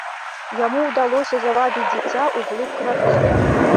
Яму ўдалося завабіць дзіця ўглыб кватэры.